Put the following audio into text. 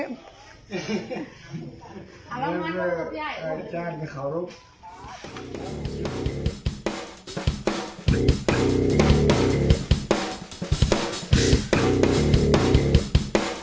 เอาละมามาพ่อมูนอีดดว่า